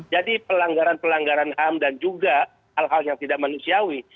jadi pelanggaran pelanggaran ham dan juga hal hal yang tidak manusiawi